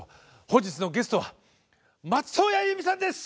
本日のゲストは松任谷由実さんです！